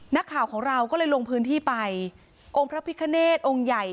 นักข่าวของเราก็เลยลงพื้นที่ไปองค์พระพิคเนธองค์ใหญ่